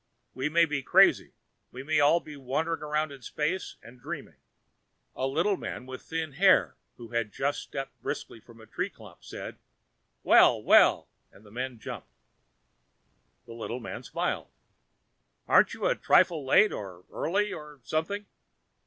We may be crazy; we may all be wandering around in space and dreaming." The little man with the thin hair who had just stepped briskly from a treeclump said, "Well, well," and the men jumped. The little man smiled. "Aren't you a trifle late or early or something?"